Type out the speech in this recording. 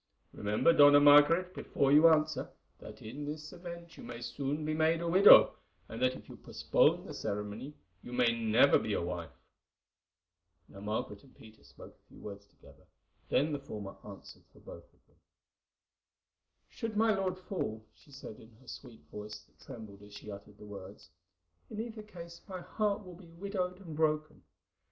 Remember, Dona Margaret, before you answer, that in this event you may soon be made a widow, and that if you postpone the ceremony you may never be a wife." Now Margaret and Peter spoke a few words together, then the former answered for them both. "Should my lord fall," she said in her sweet voice that trembled as she uttered the words, "in either case my heart will be widowed and broken.